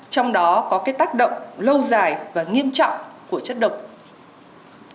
trong đó có cái tác động lâu dài và nghiêm trọng của chất độc da cam dioxin